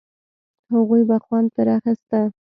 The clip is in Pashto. هغوی به خوند پر اخيسته.